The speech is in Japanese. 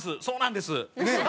そうなんです！